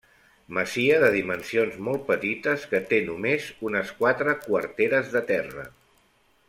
Masia de dimensions molt petites que té només unes quatre quarteres de terra.